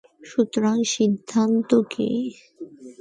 সুতরাং, সিদ্ধান্ত কী?